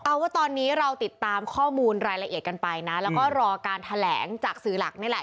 เอาว่าตอนนี้เราติดตามข้อมูลรายละเอียดกันไปนะแล้วก็รอการแถลงจากสื่อหลักนี่แหละ